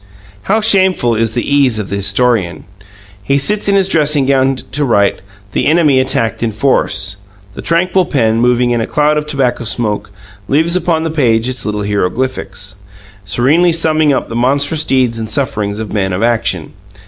How shameful is the ease of the historian! He sits in his dressing gown to write: "The enemy attacked in force " The tranquil pen, moving in a cloud of tobacco smoke, leaves upon the page its little hieroglyphics, serenely summing up the monstrous deeds and sufferings of men of action.